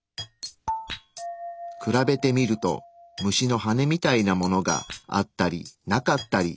比べてみると虫の羽みたいなものがあったりなかったり。